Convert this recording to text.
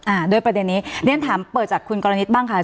อ่าโดยประเด็นนี้เรียนถามเปิดจากคุณกรณิตบ้างค่ะ